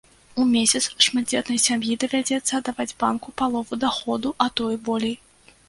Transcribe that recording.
У месяц шматдзетнай сям'і давядзецца аддаваць банку палову даходу, а то і болей.